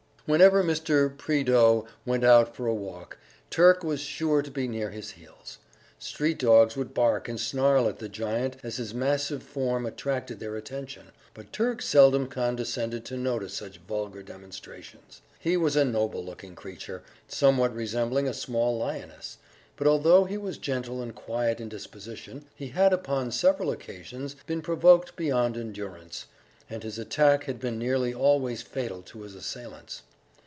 Whenever Mr. Prideaux went out for a walk, Turk was sure to be near his heels. Street dogs would bark and snarl at the giant as his massive form attracted their attention, but Turk seldom condescended to notice such vulgar demonstrations; he was a noble looking creature, somewhat resembling a small lioness; but although he was gentle and quiet in disposition, he had upon several occasions been provoked beyond endurance, and his attack had been nearly always fatal to his assailants.